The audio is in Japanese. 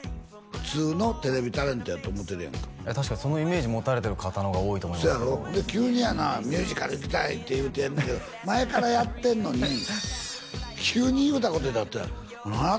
普通のテレビタレントやと思てるやんか確かにそのイメージ持たれてる方の方が多いとそやろで急にやなミュージカルいきたいって言うてんねやけど前からやってんのに急に言うたことになってる頭